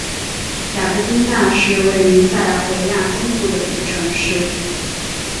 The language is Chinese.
雅戈丁那是位于塞尔维亚中部的一个城市。